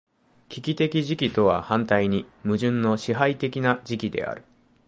危機的時期とは反対に矛盾の支配的な時期である。